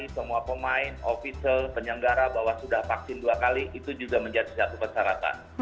jadi semua pemain ofisial penyelenggara bahwa sudah vaksin dua kali itu juga menjadi satu persyaratan